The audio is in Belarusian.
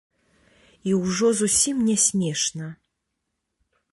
І ўжо зусім нясмешна.